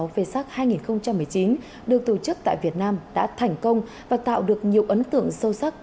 v sac hai nghìn một mươi chín được tổ chức tại việt nam đã thành công và tạo được nhiều ấn tượng sâu sắc